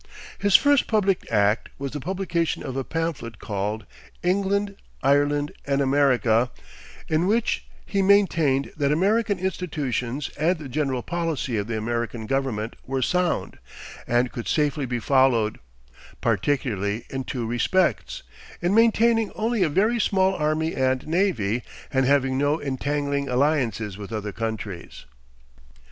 His first public act was the publication of a pamphlet called, "England, Ireland and America," in which he maintained that American institutions and the general policy of the American government were sound, and could safely be followed; particularly in two respects, in maintaining only a very small army and navy, and having no entangling alliances with other countries.